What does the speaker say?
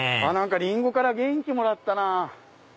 リンゴから元気もらったなぁ。